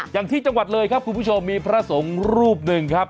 อย่างที่จังหวัดเลยครับคุณผู้ชมมีพระสงฆ์รูปหนึ่งครับ